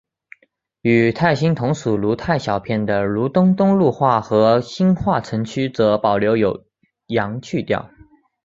与泰兴同属如泰小片的如东东路话和兴化城区则保留有阳去调。